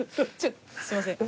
すいません。